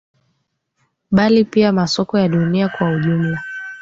bali pia masoko ya dunia kwa ujumla